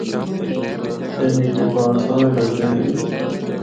اے نیلے پہاڑ سہنڑے لگدے ہن۔